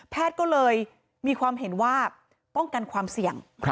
ก็เลยมีความเห็นว่าป้องกันความเสี่ยง